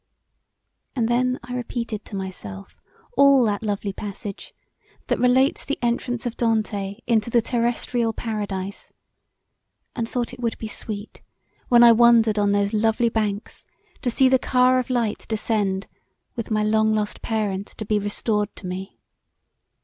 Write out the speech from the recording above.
And then I repeated to myself all that lovely passage that relates the entrance of Dante into the terrestrial Paradise; and thought it would be sweet when I wandered on those lovely banks to see the car of light descend with my long lost parent to be restored to me.